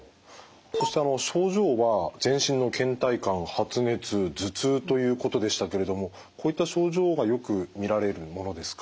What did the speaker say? そして症状は全身のけん怠感発熱頭痛ということでしたけれどもこういった症状がよく見られるものですか？